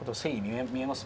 あ見えます。